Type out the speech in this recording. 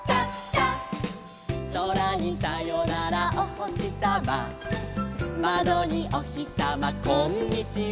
「そらにさよならおほしさま」「まどにおひさまこんにちは」